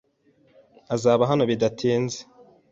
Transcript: Azaba hano bidatinze.